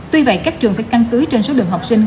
tuy vậy các trường phải căn cứ trên số lượng học sinh